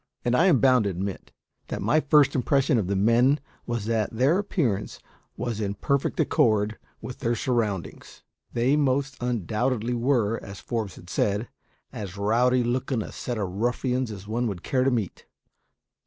And I am bound to admit that my first impression of the men was that their appearance was in perfect accord with their surroundings. They most undoubtedly were, as Forbes had said, as rowdy looking a set of ruffians as one would care to meet.